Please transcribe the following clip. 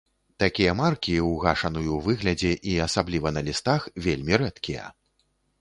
Такія маркі ў гашаную выглядзе, і асабліва на лістах, вельмі рэдкія.